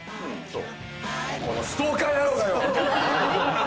このストーカー野郎がよ！